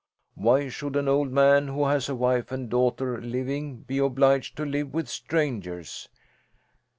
"Why should an old man who has a wife and daughter living be obliged to live with strangers?